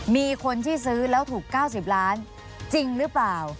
มีคนที่ซื้อแล้วถูก๙๐ล้านจริงหรือเปล่า